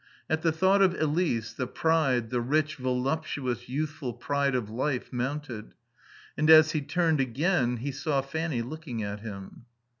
At the thought of Elise the pride, the rich, voluptuous, youthful pride of life mounted. And as he turned again he saw Fanny looking at him.